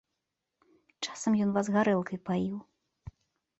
Часам ён вас гарэлкай паіў.